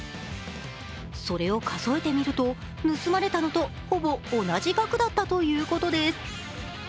それを数えてみると、盗まれたのとほぼ同じ額だったということです。